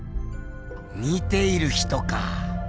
見ている人か。